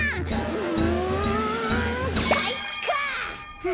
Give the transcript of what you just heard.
うんかいか！